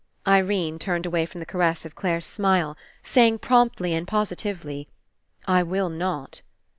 Irene turned away from the caress of Clare's smile, saying promptly and positively: "I will not."